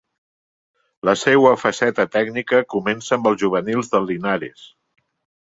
La seua faceta tècnica comença amb els juvenils del Linares.